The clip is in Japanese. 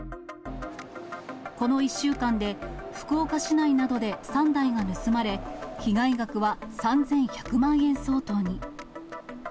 この１週間で、福岡市内などで３台が盗まれ、被害額は３１００万円相当に。